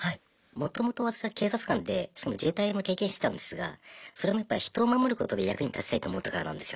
もともと私は警察官でしかも自衛隊も経験してたんですがそれもやっぱ人を守ることで役に立ちたいと思ったからなんですよね。